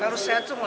harus sehat semua